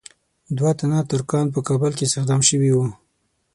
دوه تنه ترکان په کابل کې استخدام شوي وو.